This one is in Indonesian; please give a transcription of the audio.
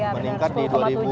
meningkat di dua ribu dua puluh